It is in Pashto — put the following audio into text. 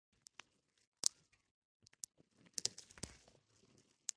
زلمی خان: زه به پسې وګرځم، راځه چې په ګډه یې ولټوو.